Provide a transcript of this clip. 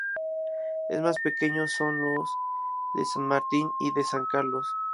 Es más pequeño que los de San Martín y de San Carlos.